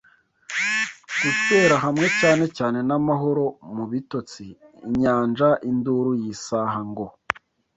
guswera hamwe cyane cyane n'amahoro mubitotsi. Inyanja-induru yisaha, ngo